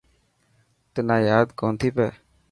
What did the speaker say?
تنا ياد ڪونٿي پئي.